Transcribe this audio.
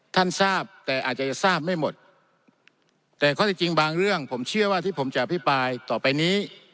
ทราบแต่อาจจะทราบไม่หมดแต่ข้อที่จริงบางเรื่องผมเชื่อว่าที่ผมจะอภิปรายต่อไปนี้